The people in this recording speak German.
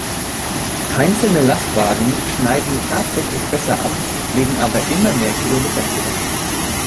Einzelne Lastwagen schneiden tatsächlich besser ab, legen aber immer mehr Kilometer zurück.